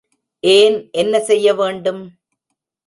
ஏன் என்ன செய்ய வேண்டும்?